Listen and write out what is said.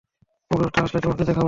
কবুতরটা আসলে তোমাকে দেখাবো।